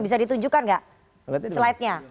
bisa ditunjukkan nggak slide nya